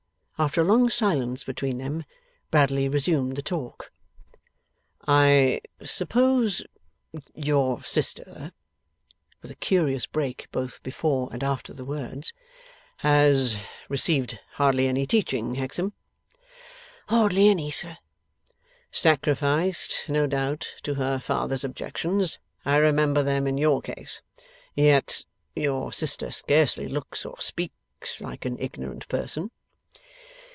After a long silence between them, Bradley resumed the talk. 'I suppose your sister ' with a curious break both before and after the words, 'has received hardly any teaching, Hexam?' 'Hardly any, sir.' 'Sacrificed, no doubt, to her father's objections. I remember them in your case. Yet your sister scarcely looks or speaks like an ignorant person.